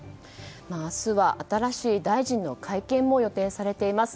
明日は新しい大臣の会見も予定されています。